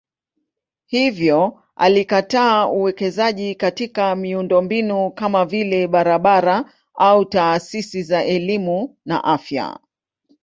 Hivyo alikataa uwekezaji katika miundombinu kama vile barabara au taasisi za elimu na afya.